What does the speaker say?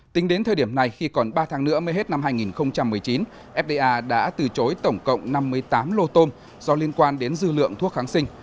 tính đến thời điểm này khi còn ba tháng nữa mới hết năm hai nghìn một mươi chín fda đã từ chối tổng cộng năm mươi tám lô tôm do liên quan đến dư lượng thuốc kháng sinh